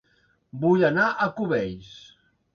Vull anar a Cubells